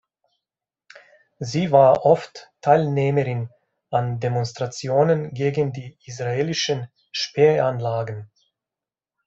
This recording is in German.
Sie war oft Teilnehmerin an Demonstrationen gegen die Israelischen Sperranlagen.